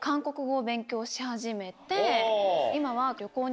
し始めて。